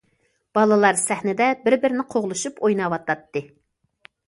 بالىلار سەھنىدە بىر بىرىنى قوغلىشىپ ئويناۋاتاتتى.